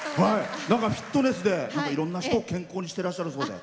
フィットネスで、いろんな人を健康にしてらっしゃるそうで。